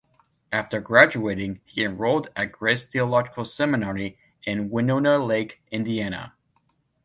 After graduating he enrolled at Grace Theological Seminary in Winona Lake, Indiana.